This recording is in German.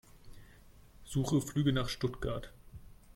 Suche Flüge nach Stuttgart.